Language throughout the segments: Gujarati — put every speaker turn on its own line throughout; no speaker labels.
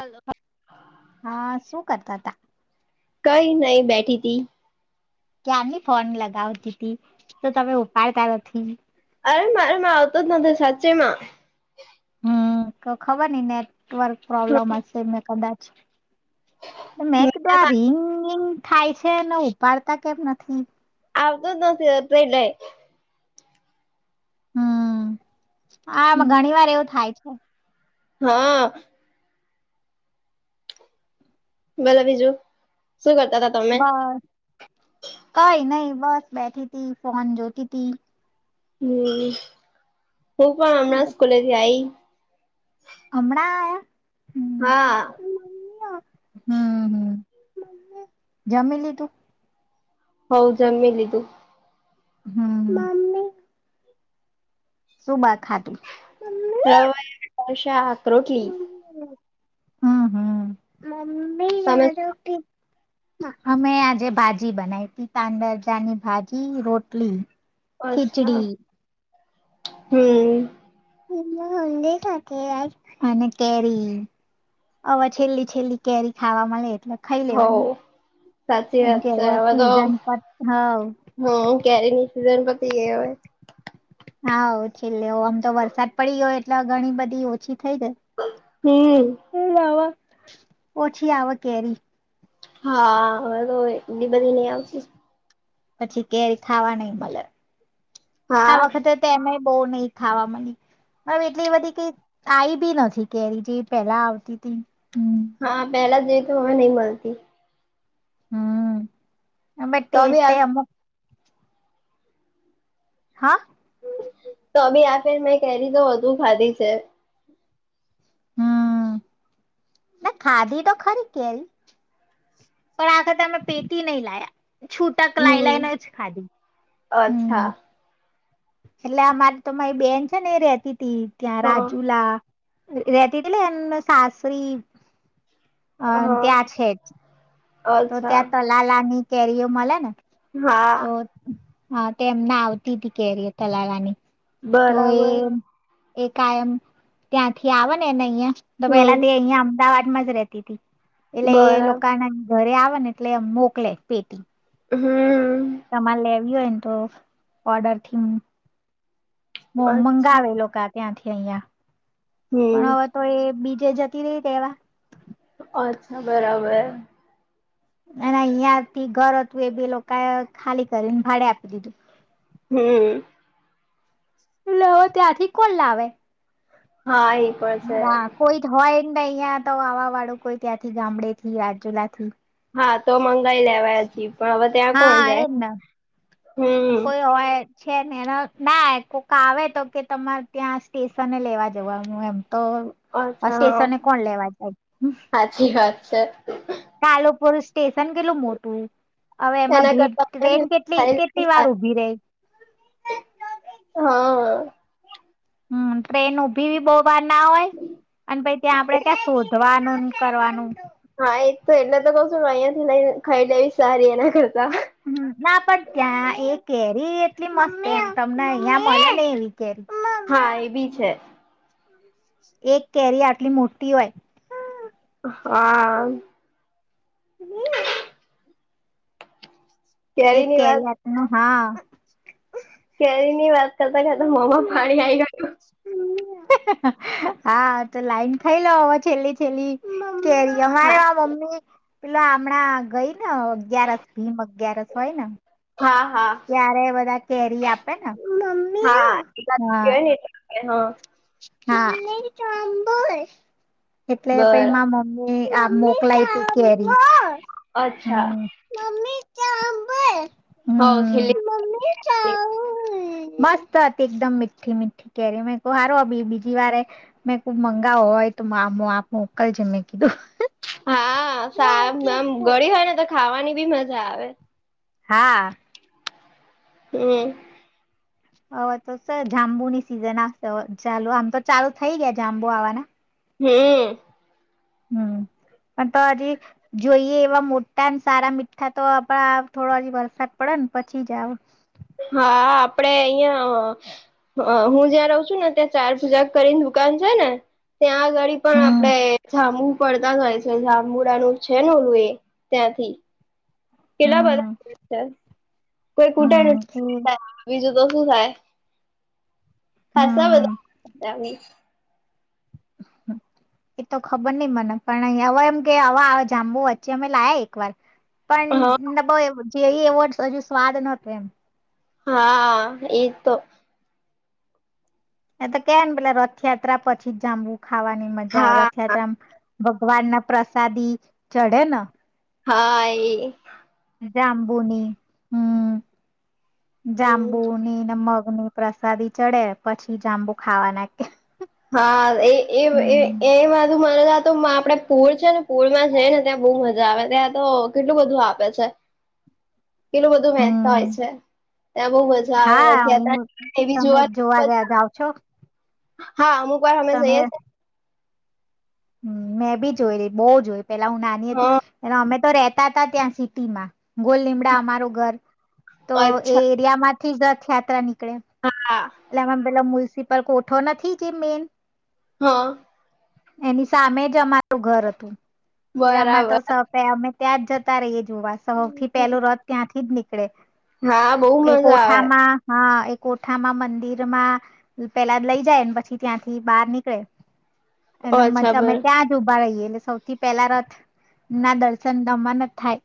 હલો.
હા શું કરતા હતા?
કઈ નહી બેઠીતી.
ક્યારની ફોન લગાવતી તી તો તમે ઉપાડતા નથી!
અરે મારેમાં આવતો જ નથી સાચે માં
હમ્મ તો ખબર નઈ નેટવર્ક પ્રોબ્લમ હશે મેં કદાચ મેં ક તો આ રિંગ રીંગ થાય છે ને ઉપાડતા કેમ નથી
આવતો જ નથી એટલે.
હમ્મ આમાં ઘણી વાર એવું થાય છે
હા બોલો બીજું? શું કરતા હતા તમે?
બસ કઈ નહી બસ બેઠી તી ફોન જોતી તી.
હમ્મ હું પણ હમણાં સ્કુલે થી આઈ
હમણાં આયા?
હા.
હમ્મ હ જમી લીધું?
હવ જમી લીધું.
હમ્મ શું બાર ખાધું?
રવૈયાનો શાક, રોટલી.
હમ્મ હમ્મ.
તમે
અમે આજે ભાજી બનાવી તી તાંદરજાની ભાજી, રોટલી. ખીચડી
હમ્મ
અને કેરી હવે છેલ્લી છેલ્લી કેરી ખાવા‌ મળે એટલે ખાઈ
હોવ
લેવાની.
સાચી
કેમ
વાત
કે
છે હવે તો
સીઝન પર હવ
હમ કેરીની સીઝન પતી ગઈ હવે.
હા છેલ્લે આમ તો વરસાદ પડી ગયો એટલે ઘણી બધી ઓછી થઈ જાય.
હમ્મ
ઓછી આવે કેરી.
હા હવે તો એટલી બધી નહી આવતી
પછી કેરી ખાવા નહી મળે, આ
હા
વખતેમે બો નહી ખાવા મળી. મતલબ એટલી બધી કાંઇ આવી બી નથી કેરી જે પેલા આવતી હતી. હમ
હા પહેલા જઈ તો હવે નહી મળતી
હમ્મ બટ
તો બી
ટેસ્ટ
આ
અમુ હા
તોભી આ ફેર મેં કેરી તો વધુ ખાધી છે
હમ્મ ખાધી તો ખરી કેરી પણ આ વખતે અમે પેટી નહી લાયા છૂટક લાઈ
હમ
લઈને જ ખાધી. હમ
અચ્છા.
એટલે અમારી તો મારી બેન છે ને એ રેતી તી ત્યાં
હ
રાજુલા રેતીતી ટલે એન સાસરી અ
હા
ત્યાં છે જ તો
અચ્છા
ત્યાં તલાલાની કેરીઓ મળે ને તો
હા
હા તે એમને આવતી હતી કેરી તલાવાની.
બરાબર.
એ કાયમ ત્યાંથી આવે ને ને અહિયાં તો પેલા તે
હમ
અહિયાયા અમદાવાદ રતી એટલે એ
બરાબર
લોકોના ઘરે આવે ને એટલે મોકલે પેટી
હમ
તમારે લે આવી હોય ને તો ઓર્ડર થી
અચ્છા
મંગાવેલો ત્યાંથી અહં પણ
હમ
હવે તો એ બી જે જતી રહી તેવા
અચ્છા બરાબર.
અને અહિયાંથી ઘર હતું એ બે લોકોએ ખાલી કરીને ભાડે આપી દીધું.
હમ.
લવ ત્યાંથી કોણ લાવે
હા એ પણ છે
હ કોઈ હોય જ ને અહિયાં તો આવવા વાળું કોઈ ત્યાંથી ગામડે થી રાજુલા થી
હા તો મંગાઈ લેવાય હજી પણ હવે ત્યાં
હા
કોણ જાય
એજ ને
હમ.
કોઈ હોય છે ને એ ના કોક આવે તો કે તમારે ત્યાં સ્ટેશને લેવા જવાનું એમ તો
અચ્છા હા
સ્ટેશને કોણ લેવા જાય.
સાચી વાત છે.
કાલુપુર સ્ટેશન કેટલું મોટું હવે
એના
એમાં ભીડ
કરતા
ટ્રેન કેટલી
ખાઈ
કેટલી વાર ઉભી ર
હા હા.
હમ ટ્રેન ઉભી બી બહ બાર ના હોય અને પછ ત્યાં આપડે કં શોધવા કરવાનું
હા એ તો એટલે તો કઉ છું અહંયા થી લઈને ખાઈ લેવી સારી એના કરતા
હમ. ના પણ ત્યાં એ કેરી એટલી મસ્તી તમને અહિયાં મળ ને એવી કેરી
હા એ બી છે.
એક કેરી આટલી મોટી હોય.
હા. કેરી
એક
ની
કેવી
વાત
વાતનું હા.
કેરી ની વાત કરતા કરતા મમ્મા પાણી આવીઈ ગયું.
હા તો લાઈન ખાઈ લમાં છેલ્લી છેલ્લી કેરી અમારે
હા
આ મમ્મી પેલો હમણાં ગઈ. અગિયારસ ભીમ અગિયારસ હોય ને
હા હા.
ક્યારે બધા કેરી આપે ને મમ્મી હા.
હા.
હ ચ આો એટલે પ
બરા
મા મમ્મી આ મોકલાય ત કેરી.
અચ્છા.
હમ મમ્મી સાંભળ
હ છે.
મમ્મી મસ્ત હતી એકદમ મીઠી મીઠી કેરી મેં સારું. બીજી વારે મે ખૂબ મંગાવો હોય તો આપ મોકલજ મેં કીધું.
હા સા આમ
રાખીશું.
ગળી હોય ને તો ખાવાની બી મજા આવે.
હા.
હમ.
હવે તો સર જાંબુની સિઝનશે ચાલુ આમ તો ચાલુ થઇ ગયા જાંબુ આવાના
હમ.
હમ. પણ તો હજી જોઈએ એવા મોટા અને સારા મીઠા તો થોડો હજી વરસાદ પડે. પછી જાવ.
હા આપડે અહિયાં હ હું જ્યાં રહઉ છું ને ત્યાં ચાર પૂજા કરીને દુકાન છે ને ત્યાં ડી પણ
હમ
આપડે જામું પડતા જાય છે જાંબુડાનું છે નેલું એ ત્યાંથી કેટલા બધા
હમ
કોઈછે કોઈ કૂટા
હમ એ-
નથી બીજું તો શું થાય ખાસા
હમ
બધા
હમ એ તો ખબર નહિ મને પણ હવે એમ કે હવે જામબુ વચ્ચે અમે લાયા એક વાર પણ
હા
નવો એવો જેઈએ હજુ સ્વાદ નોતો એમ
હા એત તો
એ તો કે ને પેલા રથયાત્રા પછી જ જામબુ ખાવાની મજા આવે
હા
રથયાત્રામાં ભગવાન ના પ્રસાદી ચઢે ને
હા એ
જાંબુની હમ
હમ
જાંબુની અને મગ ની પ્રસાદી ચડે પછી જાંબુ ખાવા નાખે
હા એ એવ એ એવ એધું મારા તો આપડે પુર છે ને પુરમાં જઈ ને ત્યાં બહુ મજા આવે ત્યાં તો કેટલું બધું આપે છે
[inaudible]
કેટલું બધું વહેચતા હોય
હમ
છે ત્યાં બહુ મજા આવે
હા હું
રથયાત્રાની ડીવી
તમે
જોવાની
જોવા ગયા
મજા આવે
જાવ છો
હા અમુક વાર અમે
તમે
જઈએ છ છે
હમ મેં ભી જોય રહી બહુ જોય પેલા હું નાની હતી
હા
એ અમે તો રેતા હતા ત્યાં સિટીમાં ગોલ લીમડા અમારુ ઘર તો એ એરિયા માંથી રથયાત્રા ની
હા
એટલે આમાં પેલો મલ્સિપલ કોઠો નથી જે મેન
હા
એની સામે જ અમારું ઘર હતું એટલે અમારે તો
બરાબર
સપે અમે ત્યાં જતા રહીએ જોવા સૌથી પહેલું રથ ત્યાંથી જ નીકળે
હા બહુ
એક
મજા આવે
કોઠામાં હા એક કોઠામાં મંદિર માં પેલા લઈ જાયને પછી ત્યાંથી બહાર નીકળે એના
અચ્છા
માટે અમે
બર
ત્યાં જ ઉભા રહીએટ સૌથી પહેલા રથ ના દર્શન દમન જ થાય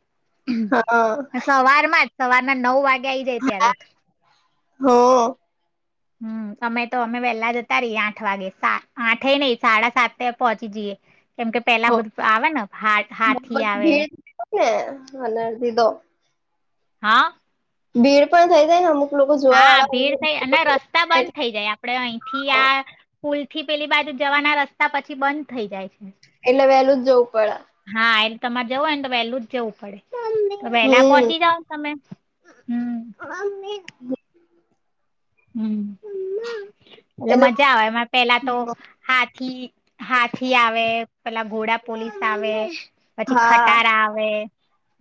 હાઆ
સવારમાં જ સવારના નવ વાગે આઈ જાય ત્યા રથ હમ અમે તો અમે વેલા જતા રહીએ આઠ વાગે આઠે નઈ સાડા સાતે પહોંચી જઈએ જીએ કેમ કે પેલા
હા.
બધું આવે ને હાથ હાથી
બહુ
આવે
ભીડ થાય ને અને દીધો
હા
ભીડ પણ થઈ જાય ને અમુક લોકો જોવા
હા
વાળા
ભીડ થઈ અને રસ્તા
હોય
બંધ થઈ જાય આપડે અહીંથી આ પૂલ થી પેલી બાજુ જવાના રસ્તા પછી બંધ થઇ જાય છે
એટલે વહેલું જ જવું પડે
હા એ તમારે જવોને તો વહેલું જ જવું પડે તો વહેલા
હમ
પોહોંચી જાવ ને તમે હમ અમે હમ એટલે મજા આવે પેલા તો હાથી હાથી આવે પેલા ઘોડા પોલીસ આવે પછી
હા
ખટારા આવે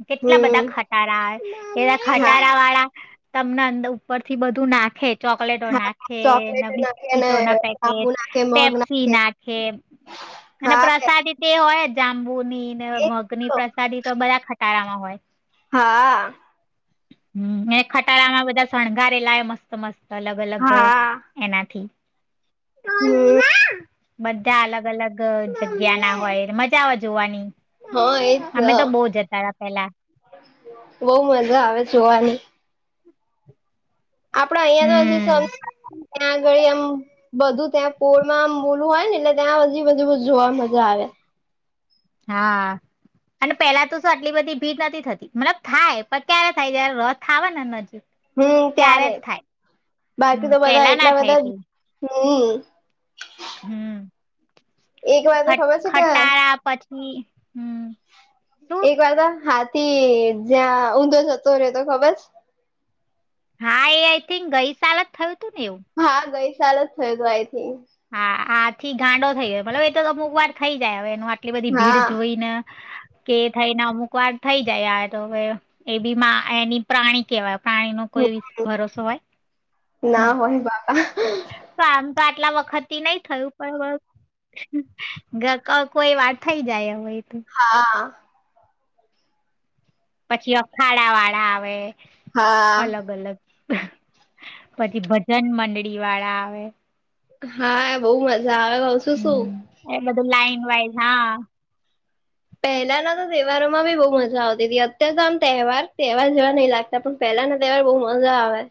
કેટલા બધા
હમ
ખટારા આવે એવા
હા
ખટારા વાળા તમને અંદર ઉપર થી બધું નાખે એચોકલેટો
હા
નાખે
ચોકલેટ નાખે ને
બિસ્કીિટો ના
આબુ
પેકેટ
નાખે મગ
પેપ્સી નાખે અને
હા
પ્રસાદી તે હોય જ જાંબુ ની ને મગ ની
તો
પ્રસાદી તો બધા ખટારામાં હોય
હા
હું મે ખટારામાં બધા શણગારે લા મસ્ત મસ્ત અલગ અલગ
હા
એનાથી
હમ
બધા અલગ અલગ જગ્યા ના હોય મજા આવે જોવાની
હા એજ
અમે તો બહુ જતા હતા પેલા
બઉ મજા આવે જોવાની આપડ અહિયાં તો હજી સ
હમ
ત્યાં આગળ એમ બધું ત્યાં પોળમાં મુલ હોય ને એટલે ત્યાં હજીી બધી બ જોવા મજા આવે
હા અને પેલા તો શ આટલી બધી ભીડ નથી થતી મતલબ થાય પણ ક્યારે થાય જ્યારે રસ થ આવે ને નજી
હમ ત્યારે બાકી
હમ
તો બધા
પેલા ના
એટલા
થાય
બધા
એટલી
હમ
હમ
એક વાર તો ખબર છે ક
હ
એક વાર તો હાથી જ્યાં ઊંધો જતો રહેેતો ખબર
હા એ આઈ થિંક ગઈ સાલ જ થયું હતું ને એવું
હા ગઈ સાલ જ થયો તો આ
હા આથી ગાંડો થઈ ગયો મતલબ એતો અમુક વાર થઈ જાય હવે એ એટલી બધી ભીડ
હા
જોઈને કે થઈને અમુક વાર થઈ જાય આ તો હવે એ બી એની પ્રાણી કેવાય પાણી નો કોઈ ભરોસો હોય
ના હોય બાપા
કમ તો આટલા વખત થી નહી થયું પણ કોઈ વાત થઇ જાય હવે તો
હા
પછી અખાડા વાળા આવે
હા
અલગ અલગ પછી ભજન મંડળી વાળા આવે
હા બઉ મજા આવે કઉ શું શું
હમ એ બધું લાઈન વાઈઝ હા
પહેલાના તો તહેવારોમાં બી બહ મજા આવતી હતી અત્યારે તો આમ તહેવાર તહેવાર જેવા નહીિ લાગતા પણ પલા પલા ના તહેવાર બહુ મજા આવે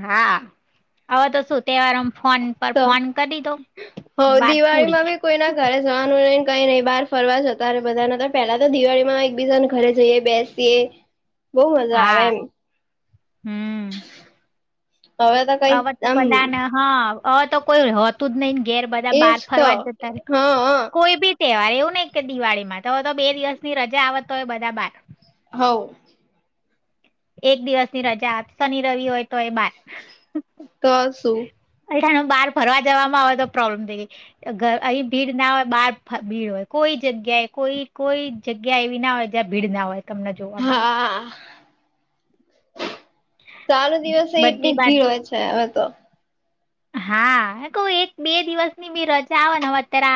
હા હવે તો શું તહેવારમ
તો હો
વાત
દિવાળીમાં
પૂરી
ભી કોઈ ના ઘરે જવાનું નહી કઈ નહીિ બહાર ફરવા જતા ર બધાને તો પેલા તો દિવાળી માં એકબીજાને ઘરે જઈએ બેસીયએ બહુ મજા આવે
હા
એમ
હમ
તો કઈ
હવે તો
આમ
બધાને હા હવે તો કોઈ હોતું જ નઈિ ઘેર બધા
એજ
બહાર
તો
ફરવા જ જતા ર
હા
કોઈ બી તહેવાર એવું ને કે દિવાળીમાં તો તો બે દિવસ ની રજા આવતો હોય બધા બાર
હ
એક દિવસની રજા શનિ રવિ હોય તો એ બાર
તો શું
અહીને બહાર ફરવા જવામાં આવેય તો પ્રોબ્લેમ થઈ ગઈ અહી ભીડ ના હોય બાર ભીડ હોય કોઈ કોઈ જગ્યા એ કોઈ કોઈ જગ્યા એવી ના હોય જ્યાં ભીડ ના હોય તમને જોવા મળે
હા ચાલુ દિવસે એટલી
બધી
જ ભીડ
બાજુ
હોય છે હવે તો
હા કઉ એક બે દિવસ ની બી રજા આવે નેવે અત્યારે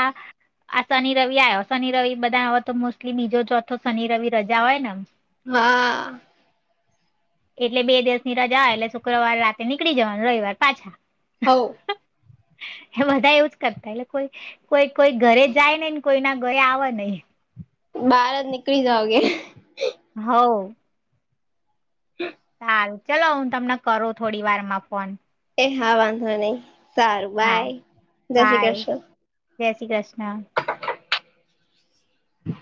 આ શનિ રવિ આવ્યો શનિ રવિ બધા હ તો મોસ્ટલી બીજો ચોથો શનિ રવિ રજા હોય નેમ
હા
એટલે બે દિવસની રજા એટલે શુક્રવાર રાતે નીકળી જવાનું રવિવાર પાછા
હ
એ બધા એવું જ કરતા એટલે કોઈ કોઈ કોઈ ઘરે જાય નેને કોઈ ના ગયા આવે નહ
બાર જ નીકળી જઓગે
હ હાલ ચાલો હું તમને કરું થોડી વારમાં ફોન.
હા વાંધો નહી સારું
હા
બાય, જય શ્રી
બાય
કૃષ્ણ.
જય શ્રી કૃષ્ણ.
હ [inaudible]